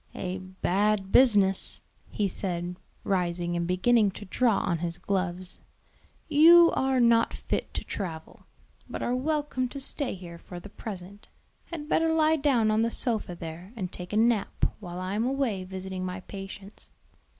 "A bad business," he said, rising and beginning to draw on his gloves. "You are not fit to travel, but are welcome to stay here for the present; had better lie down on the sofa there and take a nap while I am away visiting my patients.